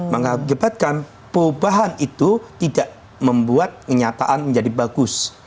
mengakibatkan perubahan itu tidak membuat kenyataan menjadi bagus